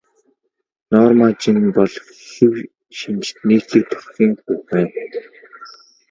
Норма Жин бол хэв шинжит нийтлэг төрхийн хүүхэн.